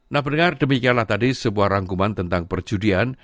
nah pendengar demikianlah tadi sebuah rangkuman tentang perjudian